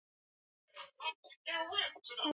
Penzi lako ni la uongo